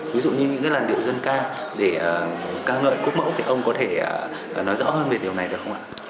ví dụ như những cái làn điệu dân ca để ca ngợi quốc mẫu thì ông có thể nói rõ hơn về điều này được không ạ